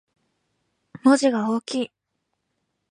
文字が大きい